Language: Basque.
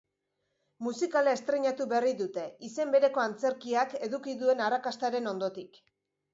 Musikala estreinatu berri dute, izen bereko antzerkiak eduki duen arrakastaren ondotik.